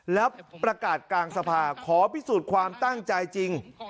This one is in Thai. แล้วประกาศกลางสภาขอพิสูจน์ความตั้งใจจริง